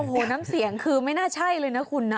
โอ้โหน้ำเสียงคือไม่น่าใช่เลยนะคุณนะ